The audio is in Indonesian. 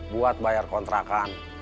buat bayar kontrakan